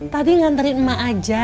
tadi nganterin emak aja